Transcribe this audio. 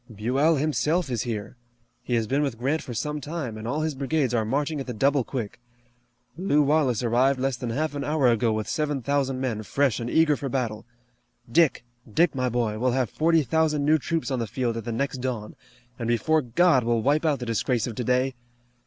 "Buell, himself, is here. He has been with Grant for some time, and all his brigades are marching at the double quick. Lew Wallace arrived less than half an hour ago with seven thousand men fresh and eager for battle. Dick! Dick, my boy, we'll have forty thousand new troops on the field at the next dawn, and before God we'll wipe out the disgrace of today!